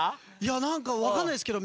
何か分かんないですけど。